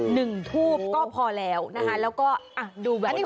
หนึ่งทูบก็พอแล้วนะคะแล้วก็อ่ะดูแบบนี้